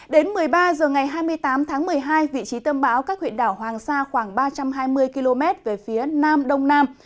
đến một mươi ba h ngày hai mươi tám tháng một mươi hai vị trí tâm báo cách huyện đảo hoàng sa khoảng ba trăm hai mươi km về phía nam đông nam